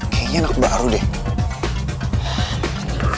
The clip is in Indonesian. kayaknya anak baru deh